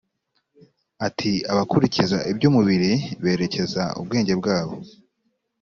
ati abakurikiza iby umubiri berekeza ubwenge bwabo